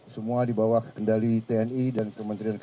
semua di bawah kendali tni dan kementerian kesehatan